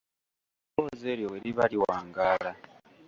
Eddoboozi eryo bwe liba liwangaala